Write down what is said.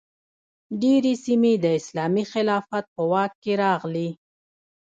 ډیرې سیمې د اسلامي خلافت په واک کې راغلې.